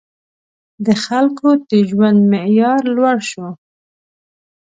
• د خلکو د ژوند معیار لوړ شو.